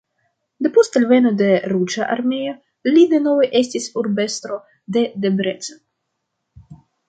Depost alveno de Ruĝa Armeo li denove estis urbestro de Debrecen.